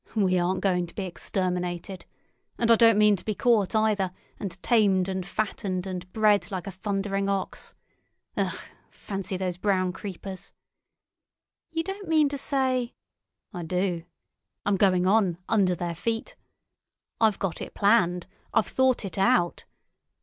We aren't going to be exterminated. And I don't mean to be caught either, and tamed and fattened and bred like a thundering ox. Ugh! Fancy those brown creepers!" "You don't mean to say——" "I do. I'm going on, under their feet. I've got it planned; I've thought it out.